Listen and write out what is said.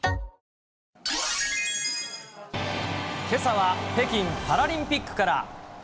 けさは北京パラリンピックから。